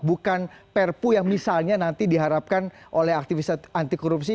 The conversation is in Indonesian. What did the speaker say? bukan perpu yang misalnya nanti diharapkan oleh aktivis anti korupsi